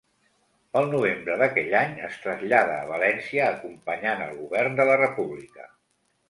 Pel novembre d'aquell any, es trasllada a València acompanyant el govern de la República.